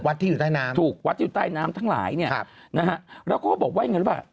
วัดที่อยู่ใต้น้ำถูกวัดอยู่ใต้น้ำทั้งหลายเนี่ยปะแล้วเขาบอกว่ายังไงครับ